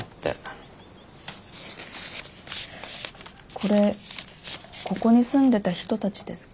これここに住んでた人たちですか？